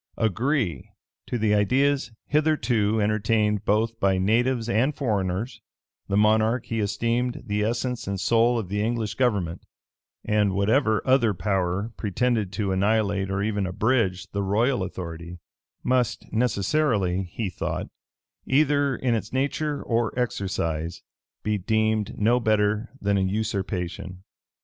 Agree * to the ideas hitherto entertained both by natives and foreigners, the monarch he esteemed the essence and soul of the English government: and whatever other power pretended to annihilate or even abridge, the royal authority, must necessarily, he thought, either in its nature or exercise, be deemed no better than a usurpation.